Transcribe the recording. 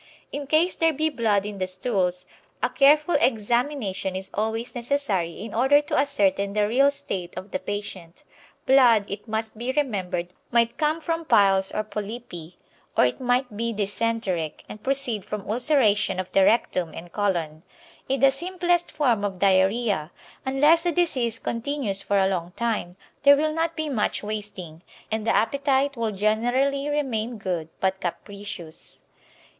In case there be blood in the stools, a careful examination is always necessary in order to ascertain the real state of the patient. Blood, it must be remembered, might come from piles or polypi, or it might be dysenteric, and proceed from ulceration of the rectum and colon. In the simplest form of diarrhoea, unless the disease continues for a long time, there will not be much wasting, and the appetite will generally remain good but capricious.